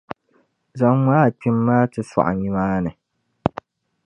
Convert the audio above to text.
Zaŋm’ a kpim’ maa ti sɔɣi nimaani.